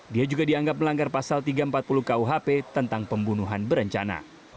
dia juga dianggap melanggar pasal tiga ratus empat puluh kuhp tentang pembunuhan berencana